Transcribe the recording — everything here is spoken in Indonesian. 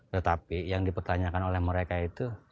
tetapi yang dipertanyakan oleh mereka itu